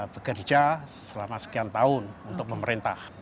bekerja selama sekian tahun untuk pemerintah